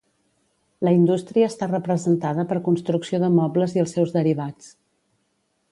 La indústria està representada per construcció de mobles i els seus derivats